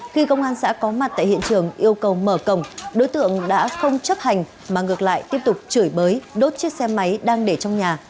khi công an xã có mặt tại hiện trường yêu cầu mở cổng đối tượng đã không chấp hành mà ngược lại tiếp tục chửi bới đốt chiếc xe máy đang để trong nhà